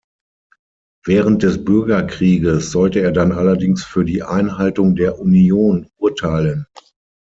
Während des Bürgerkrieges sollte er dann allerdings für die Einhaltung der Union urteilen.